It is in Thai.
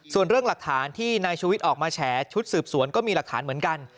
ส่วนเรื่องหลักฐานที่นายชูวิทย์ออกมาแฉชุดสืบสวนก็มีหลักฐานเหมือนกัน